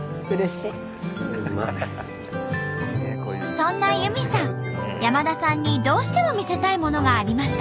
そんな由美さん山田さんにどうしても見せたいものがありました。